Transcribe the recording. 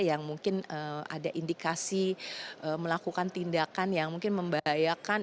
yang mungkin ada indikasi melakukan tindakan yang mungkin membahayakan